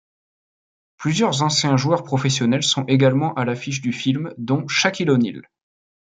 Plusieurs anciens joueurs professionnels sont également à l'affiche du film dont Shaquille O'Neal.